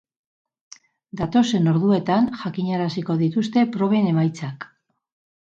Datozen orduetan jakinaraziko dituzte proben emaitzak.